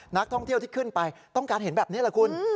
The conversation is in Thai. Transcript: นักท่องเที่ยวที่ขึ้นไปต้องการเห็นแบบนี้แหละคุณ